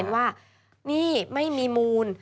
ว่านี่ไม่มีมูล